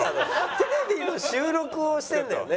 テレビの収録をしてるんだよね？